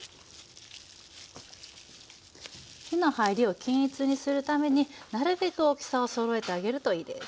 火の入りを均一にするためになるべく大きさをそろえてあげるといいです。